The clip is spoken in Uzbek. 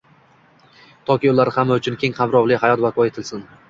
Toki ular hamma uchun keng qamrovl hayot barpo etilsin